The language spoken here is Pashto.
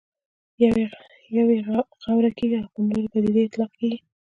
یوه یې غوره کېږي او پر نوې پدیدې اطلاق کېږي.